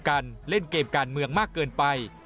เล่นเกมการเมืองมากเกินไป